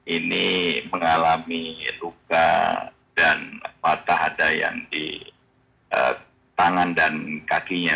ini mengalami luka dan patah ada yang di tangan dan kakinya